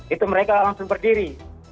itu mereka langsung berdiri